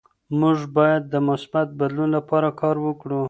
موږ باید د مثبت بدلون لپاره کار وکړو.